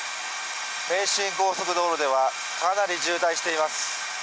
名神高速道路ではかなり渋滞しています。